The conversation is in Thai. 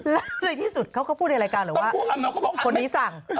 แล้วในที่สุดเขาก็พูดในรายการหรือว่าคนนี้สั่ง